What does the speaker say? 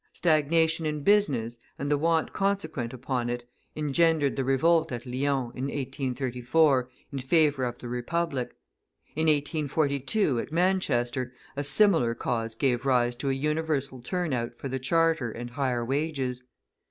Stagnation in business, and the want consequent upon it, engendered the revolt at Lyons, in 1834, in favour of the Republic: in 1842, at Manchester, a similar cause gave rise to a universal turnout for the Charter and higher wages.